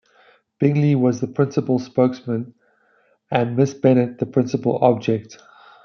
Bingley was the principal spokesman, and Miss Bennet the principal object.